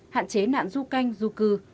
hạn chế nạn du canh du cư